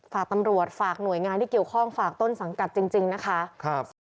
ฝากตำรวจฝากหน่วยงานที่เกี่ยวข้องฝากต้นสังกัดจริงนะคะ